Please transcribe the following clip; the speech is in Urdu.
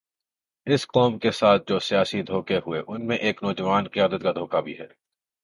اس قوم کے ساتھ جو سیاسی دھوکے ہوئے، ان میں ایک نوجوان قیادت کا دھوکہ بھی ہے۔